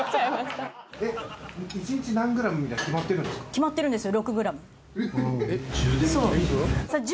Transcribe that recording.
決まってるんですよ。